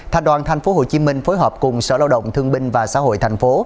thành đoàn tp hcm phối hợp cùng sở lao động thương binh và xã hội thành phố